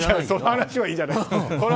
その話はいいじゃないですか。